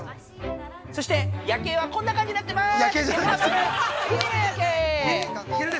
そして、夜景はこんな感じになってます。